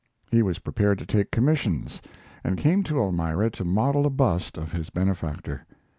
He was prepared to take commissions, and came to Elmira to model a bust of his benefactor.